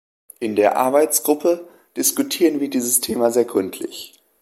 In der Arbeitsgruppe diskutieren wir dieses Thema sehr gründlich.